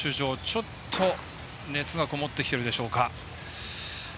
ちょっと熱がこもってきているでしょうか。